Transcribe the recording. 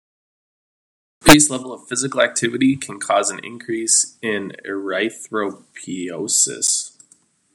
Increased level of physical activity can cause an increase in erythropoiesis.